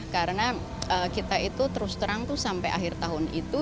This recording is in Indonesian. karena kita itu terus terang tuh sampai akhir tahun itu